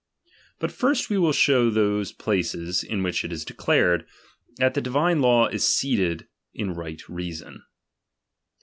But first we will shew those places in which it is declared, that the divine law is seated in right reason.